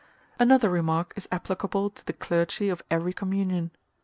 Another remark is applicable to the clergy of every communion.